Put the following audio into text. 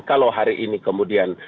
kalau hari ini kemudian